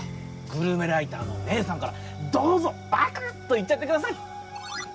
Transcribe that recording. グルメライターの姉さんからどうぞバクっといっちゃってください。